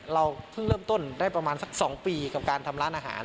เราเพิ่งเริ่มต้นได้ประมาณสัก๒ปีกับการทำร้านอาหาร